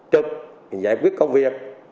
trực giải quyết công việc